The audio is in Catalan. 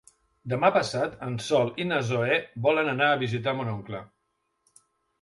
Demà passat en Sol i na Zoè volen anar a visitar mon oncle.